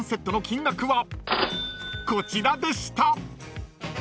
［こちらでした］